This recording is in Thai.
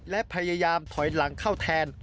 และพยายามถอยหลังเข้าแทน